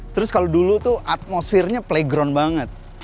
terus kalau dulu tuh atmosfernya playground banget